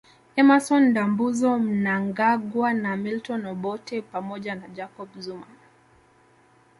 Emmason Ndambuzo Mnangagwa na Milton Obote pamoja na Jacob Zuma